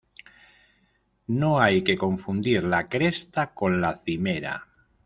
No hay que confundir la cresta con la cimera.